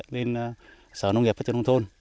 lên sở nông nghiệp phát triển nông thôn